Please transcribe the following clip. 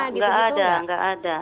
nggak nggak ada